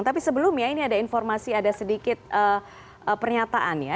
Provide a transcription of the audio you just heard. tapi sebelumnya ini ada informasi ada sedikit pernyataan ya